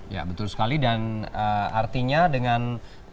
ya betul sekali dan artinya dengan